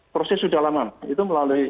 proses sudah lama itu